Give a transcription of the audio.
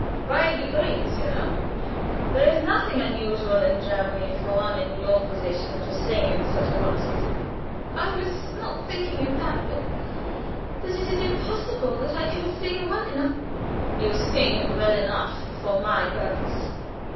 "By degrees, you know. There is nothing unusual in Germany for one in your position to sing in such a concert." "I was not thinking of that; but that it is impossible that I can sing well enough " "You sing well enough for my purpose.